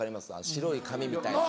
白い紙みたいな。